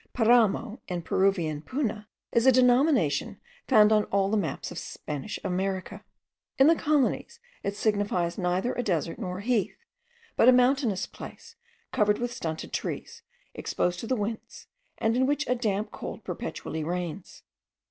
Paramo, in Peruvian puna, is a denomination found on all the maps of Spanish America. In the colonies it signifies neither a desert nor a heath, but a mountainous place covered with stunted trees, exposed to the winds, and in which a damp cold perpetually reigns.